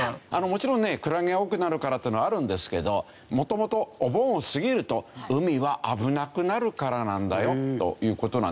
もちろんねクラゲが多くなるからというのはあるんですけど元々お盆を過ぎると海は危なくなるからなんだよという事なんですね。